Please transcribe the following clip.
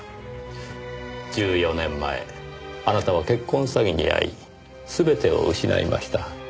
１４年前あなたは結婚詐欺に遭い全てを失いました。